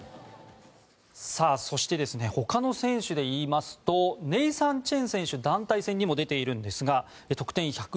そして、他の選手でいいますとネイサン・チェン選手は団体戦にも出ているんですが